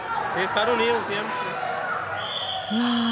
うわ。